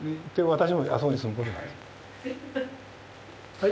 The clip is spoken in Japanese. はい？